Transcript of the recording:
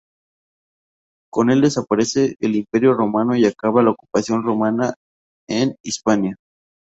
Con el desaparece el imperio Romano y acaba la ocupación romana en Hispania.